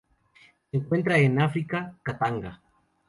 Se encuentran en África: Katanga.